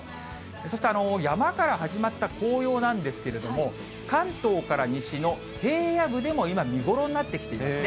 そして、山から始まった紅葉なんですけれども、関東から西の平野部でも今、見頃になってきていますね。